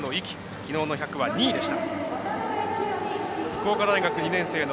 きのうの１００は２位でした。